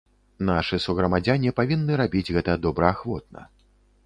Нашы суграмадзяне павінны рабіць гэта добраахвотна.